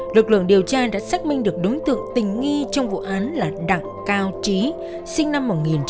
lực lượng điều tra đã xác minh được đối tượng tình nghi trong vụ án là đặng cao trí sinh năm một nghìn chín trăm tám mươi